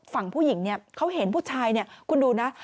ฝั่งผู้หญิงเขาเห็นผู้ชายคุณดูนะ